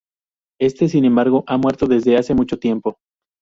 Este, sin embargo, ha muerto desde hace mucho tiempo.